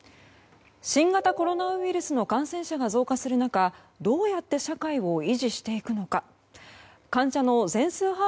新型コロナウイルスの感染者が増加する中どうやって社会を維持しているのでしょうか。